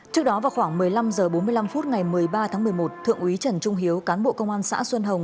trước đó vào khoảng một mươi năm h bốn mươi năm phút ngày một mươi ba tháng một mươi một thượng úy trần trung hiếu cán bộ công an xã xuân hồng